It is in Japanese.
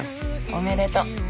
おめでとう。